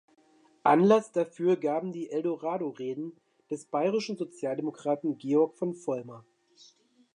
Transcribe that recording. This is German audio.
Anlass dafür gaben die "Eldorado-Reden" des bayrischen Sozialdemokraten Georg von Vollmar.